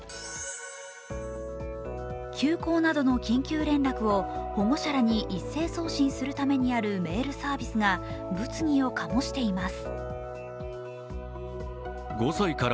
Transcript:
休校などの緊急連絡を保護者らに一斉送信するためにあるメールサービスが物議を醸しています。